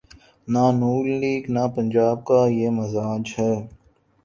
نہ ن لیگ‘ نہ پنجاب کا یہ مزاج ہے۔